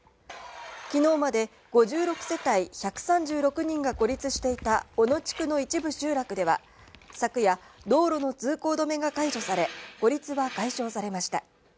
昨日まで５６世帯１３６人が孤立していた小野地区の一部集落では昨夜、道路の通行止めが解除され、孤立は解消されました。